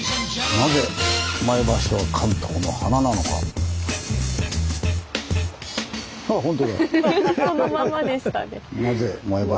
なぜ前橋は「関東の華」なのかと。